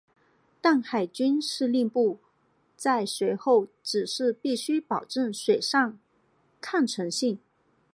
但海军司令部在随后指示必须保证水上抗沉性。